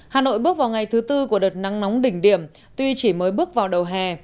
hà nội bước vào ngày thứ tư của đợt nắng nóng đỉnh điểm tuy chỉ mới bước vào đầu hè